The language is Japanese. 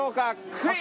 クイズ！